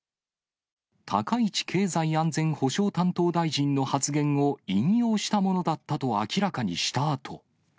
高市経済安全保障担当大臣の発言を引用したものだったと明らかにしたあと。